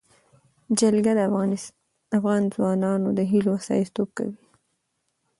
جلګه د افغان ځوانانو د هیلو استازیتوب کوي.